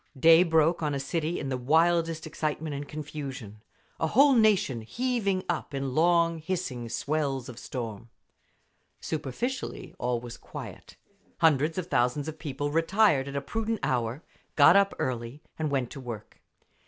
Day broke on a city in the wildest excitement and confusion, a whole nation heaving up in long hissing swells of storm. Superficially all was quiet; hundreds of thousands of people retired at a prudent hour, got up early, and went to work.